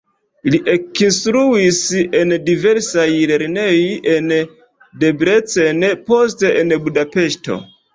Li ekinstruis en diversaj lernejoj en Debrecen, poste en Budapeŝto.